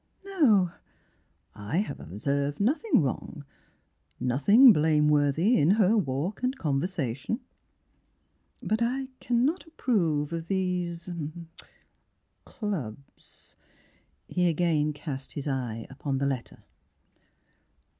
No, I have observed nothing wrong — nothing blameworthy in her walk and conversation. But I can not approve of these — ah — clubs." He again cast his eye upon the letter.